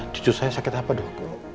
jujur saya sakit apa dok